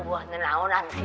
wah nyenanginan sih